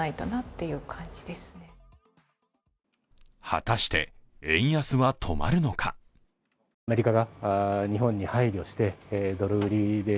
果たして、円安は止まるのか。